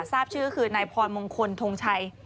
ทราบชื่อคือนายพรมงคลทงชัย